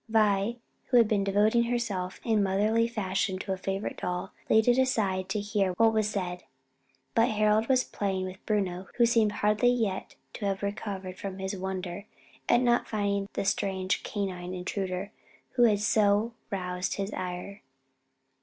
Vi, who had been devoting herself in motherly fashion to a favorite doll, laid it aside to hear what was said; but Harold was playing with Bruno, who seemed hardly yet to have recovered from his wonder at not finding the strange canine intruder who had so roused his ire.